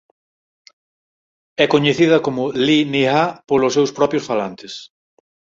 É coñecida como "Li Niha" polos seus propios falantes.